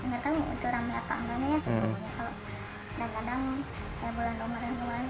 kalau kadang kadang ya bulan umur umur kan ada yang sehari itu ada yang bawa duit